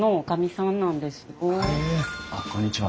あっこんにちは。